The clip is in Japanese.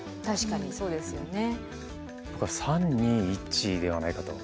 僕は３２１ではないかと。